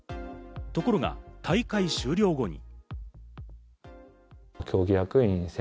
ところが大会終了後に。